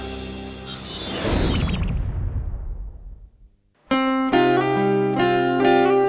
ขอบคุณครับ